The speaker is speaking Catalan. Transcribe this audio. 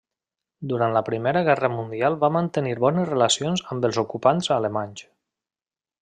Durant la Primera Guerra Mundial va mantenir bones relacions amb els ocupants alemanys.